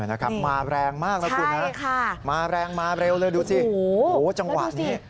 เออมาแรงมากแล้วคุณฮะมาแรงมาเร็วเลยดูสิจังหวัดนี้